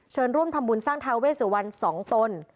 เชิญร่วมธรรมบุญสร้างเท้าเวสุวรรณ๒ต้น